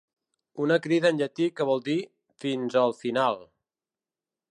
Una crida en llatí que vol dir “fins el final”